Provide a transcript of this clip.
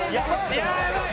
やばい！